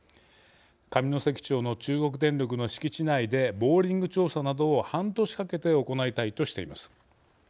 上関町の中国電力の敷地内でボーリング調査などを半年かけて行いたいとしています。